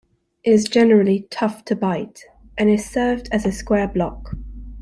It is generally tough to bite, and is served as a square block.